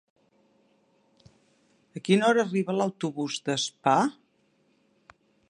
A quina hora arriba l'autobús d'Aspa?